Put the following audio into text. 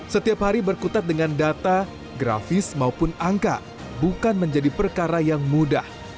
setiap hari berkutat dengan data grafis maupun angka bukan menjadi perkara yang mudah